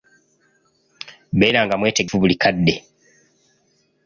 Beeranga mwetegefu buli kadde.